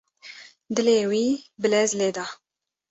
Dilê wî bi lez lê da.